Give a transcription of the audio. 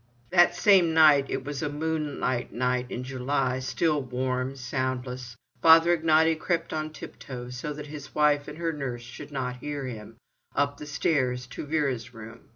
That same night—it was a moonlight night in July, still, warm, soundless—Father Ignaty crept on tiptoe, so that his wife and her nurse should not hear him, up the stairs to Vera's room.